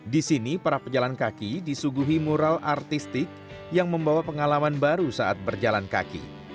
di sini para pejalan kaki disuguhi mural artistik yang membawa pengalaman baru saat berjalan kaki